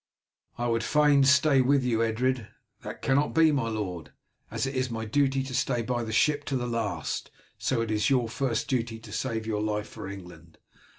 "I would fain stay with you, Edred." "That cannot be, my lord. As it is my duty to stay by the ship to the last, so it is your first duty to save your life for England.